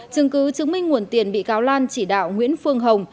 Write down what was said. chứng cứ chứng minh nguồn tiền bị cáo lan chỉ đạo nguyễn phương hồng